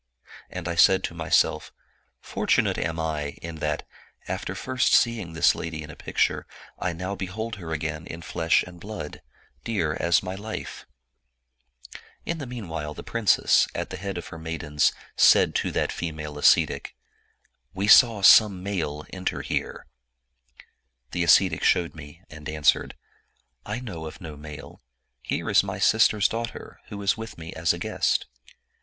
And I said to myself, * For tunate am I in that, after first seeing this lady in a picture, I now behold her again in flesh and blood, dear as my life/ 157 Orienial Mystery Stories In the meanwhile the princess, at the head of her maid ens, said to that female ascetic, ' We saw some male enter here/ The ascetic showed me, and answered, ' I know of no male; here is my sister's daughter, who is with me as a guest.